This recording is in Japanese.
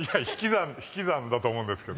引き算だと思うんですけど。